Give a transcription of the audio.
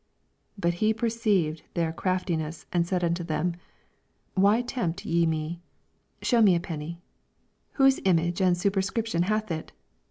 Sd But he perceived their crafli ness, and said onto them, Why tempt ye me? 24 Shew me a pennv. "Whose image and superscription hath it!